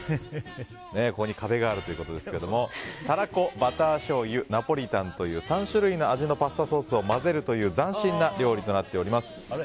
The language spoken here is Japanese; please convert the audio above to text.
ここに壁があるということですけれどもたらこ、バターしょうゆナポリタンという３種類の味のパスタソースを混ぜるという斬新な料理となっています。